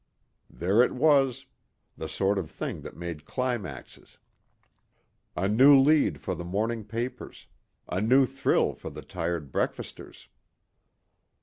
There it was the sort of thing that made climaxes. A new lead for the morning papers a new thrill for the tired breakfasters.